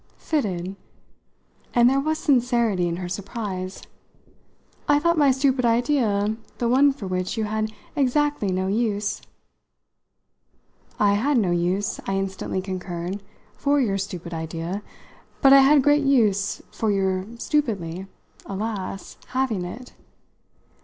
"Fitted?" and there was sincerity in her surprise. "I thought my stupid idea the one for which you had exactly no use!" "I had no use," I instantly concurred, "for your stupid idea, but I had great use for your stupidly, alas! having it.